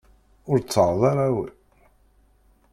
Ur tettaɣeḍ ara awal.